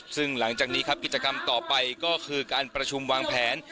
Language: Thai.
ซึ่งหลังจากนี้ครับกิจกรรมต่อไปก็คือการประชุมวางแผน